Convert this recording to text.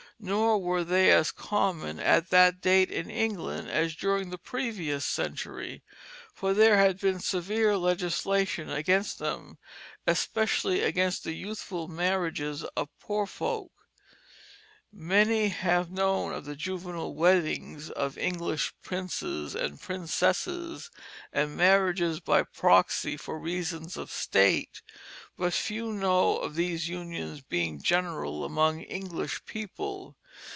Nor were they as common at that date in England as during the previous century, for there had been severe legislation against them, especially against the youthful marriages of poor folk. Many have known of the juvenile weddings of English princes and princesses and marriages by proxy for reasons of state; but few know of these unions being general among English people.